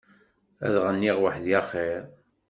Ad ɣenniɣ weḥdi a xir.